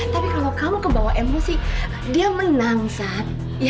tapi kalau kamu kebawa emosi dia menang saat